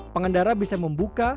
pengendara bisa membuka